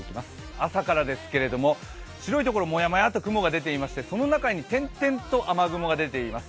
朝からですけれど、白いところ、雲がもやもやと出てきてその中に点々と雨雲が出ています。